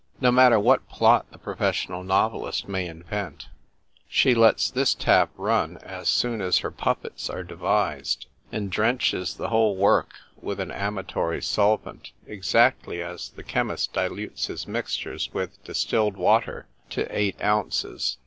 No matter what plot the pro fessional novelist may invent, she lets this A SAIL ON THE HORIZON. "5 tap run, as soon as her puppets are devised, and drenches the whole work with an amatory solvent, exactly as the chemist dilutes his mixtures with distilled water to eight ounces.